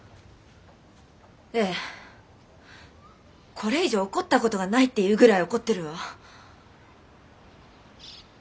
これ以上怒った事がないっていうぐらい怒ってるわ。